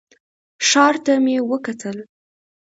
ښار ته مې وکتل.